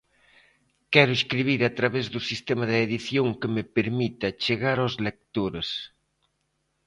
Quero escribir a través do sistema de edición que me permita chegar aos lectores.